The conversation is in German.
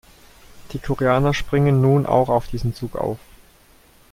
Die Koreaner springen nun auch auf diesen Zug auf.